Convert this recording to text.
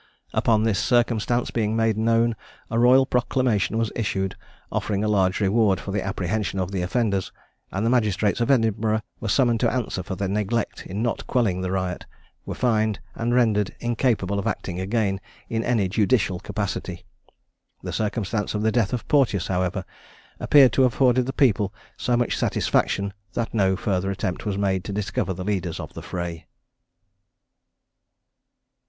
Upon this circumstance being made known, a royal proclamation was issued, offering a large reward for the apprehension of the offenders; and the magistrates of Edinburgh were summoned to answer for their neglect in not quelling the riot, were fined, and rendered incapable of acting again in any judicial capacity. The circumstance of the death of Porteous, however, appeared to have afforded the people so much satisfaction, that no further attempt was made to discover the leaders of the fray.